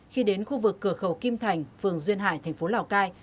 khi đến khu vực cửa khẩu kim thành phường duyên hải tp lào cai